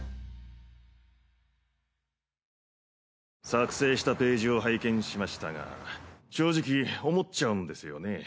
作成したページを拝見しましたが正直思っちゃうんですよね